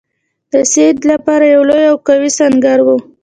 د سید لپاره یو لوی او قوي سنګر وو.